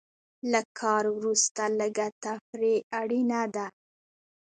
له کار وروسته لږه تفریح اړینه ده.